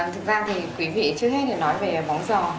thực ra thì quý vị trước hết thì nói về móng giò